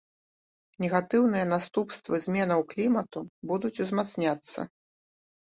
Негатыўныя наступствы зменаў клімату будуць узмацняцца.